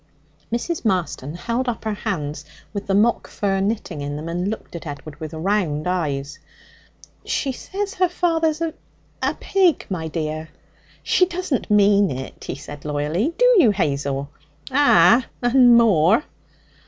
Mrs. Marston held up her hands with the mock fur knitting in them, and looked at Edward with round eyes. 'She says her father's a a pig, my dear!' 'She doesn't mean it,' said he loyally, 'do you, Hazel?' 'Ah, and more!'